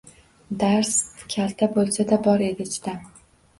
Dast kalta bo‘lsa-da, bor edi chidam